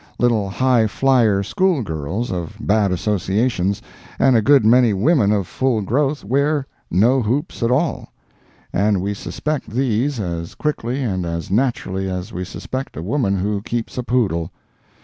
Little "highflyer" schoolgirls of bad associations, and a good many women of full growth, wear no hoops at all. And we suspect these, as quickly and as naturally as we suspect a woman who keeps a poodle.